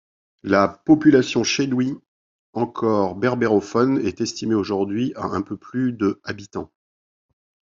La population chenoui encore berbérophone est estimée aujourd'hui à un peu plus de habitants.